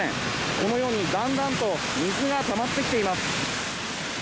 このようにだんだんと水がたまってきています。